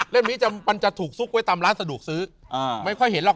นี้มันจะถูกซุกไว้ตามร้านสะดวกซื้อไม่ค่อยเห็นหรอก